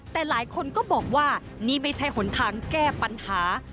แต่หลายคนก็บอกว่านี่ไม่ใช่หนทางแก้ปัญหา